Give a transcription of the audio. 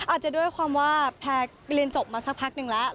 อาจจะด้วยความว่าแพรเรียนจบมาสักพักหนึ่งแล้ว